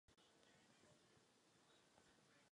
Celá rostlina je jedovatá.